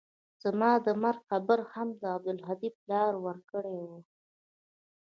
زما د مرګ خبر هم د عبدالهادي پلار ورکړى و.